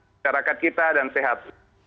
syarikat kita dan sehat